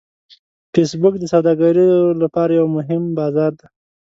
فېسبوک د سوداګرو لپاره یو مهم بازار دی